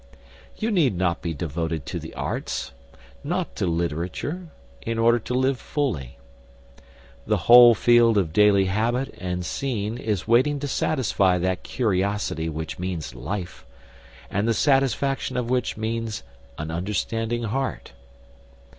You need not be devoted to the arts, not to literature, in order to live fully. The whole field of daily habit and scene is waiting to satisfy that curiosity which means life, and the satisfaction of which means an understanding heart.